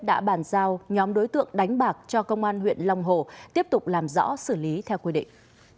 đã bàn giao nhóm đối tượng đánh bạc cho công an huyện long hồ tiếp tục làm rõ xử lý theo quy định